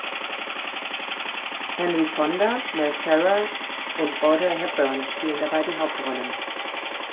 Henry Fonda, Mel Ferrer und Audrey Hepburn spielen dabei die Hauptrollen.